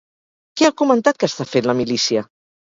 Què ha comentat que està fent la milícia?